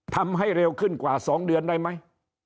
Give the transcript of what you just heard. ทำให้เร็วขึ้นกว่า๒เดือนได้ไหม